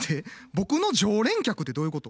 僕の常連客ってどういうこと？